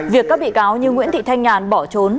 việc các bị cáo như nguyễn thị thanh nhàn bỏ trốn